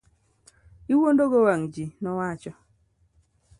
Iwuondo go wang' ji, nowacho.